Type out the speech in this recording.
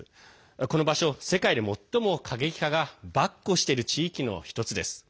この場所、世界で最も過激派がばっこしている地域の１つです。